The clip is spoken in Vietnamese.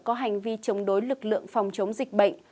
có hành vi chống đối lực lượng phòng chống dịch bệnh